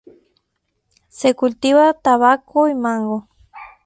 Se cultiva tabaco y mango.